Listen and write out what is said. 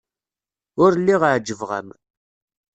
Ur lliɣ ɛejbeɣ-am.